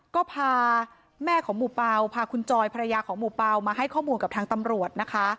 ก็พาแม่ของหมู่เปล่าพาคุณจอยภรรยาของหมู่เปล่ามาให้ข้อมูลกับทางตำรวจนะคะ